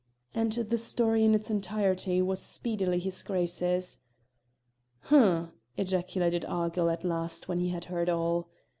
And the story in its entirety was speedily his Grace's. "H'm," ejaculated Argyll at last when he had heard all.